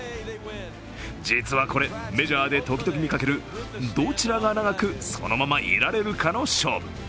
実はこれ、メジャーで時々見かけるどちらが長くそのままいられるかの勝負。